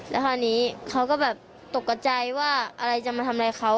แล้วข้อนี้เขาก็แบบตกใจว่าอะไรจะมาทำอะไรเขา